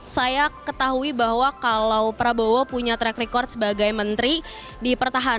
saya ketahui bahwa kalau prabowo punya track record sebagai menteri di pertahanan